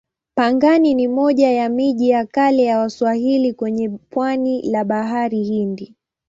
Pangani ni moja ya miji ya kale ya Waswahili kwenye pwani la Bahari Hindi.